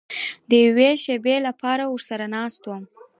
د یوې شېبې لپاره ورسره ناست وم.